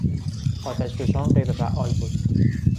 آتشفشان غیرفعال بود.